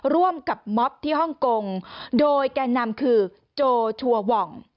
ร่วมกับม็อบที่ฮ่องกงโดยแก่นำคือโจชัวร์หว่อง